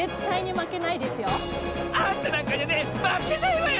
あんたなんかにはねまけないわよ！